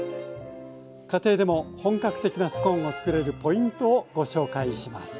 家庭でも本格的なスコーンを作れるポイントをご紹介します。